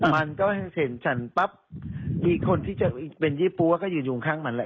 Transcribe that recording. มันก็เห็นฉันปั๊บมีคนที่จะเป็นยี่ปั๊วก็ยืนอยู่ข้างมันแหละ